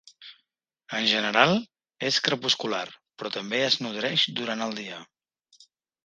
En general, és crepuscular però també es nodreix durant el dia.